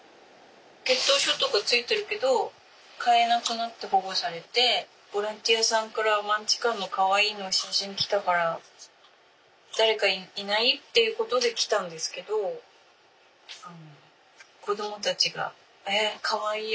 血統書とか付いてるけど飼えなくなって保護されてボランティアさんからマンチカンのかわいいの写真来たから誰かいない？っていうことで来たんですけど子供たちがえっかわいい！